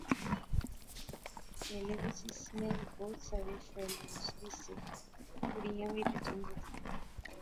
میلے وچ اس نے بہت سارے فیلوز وی سے، کڑئیاں وی، جنگت وی